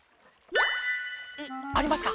ありますか？